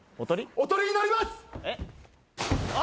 おとりになりますあ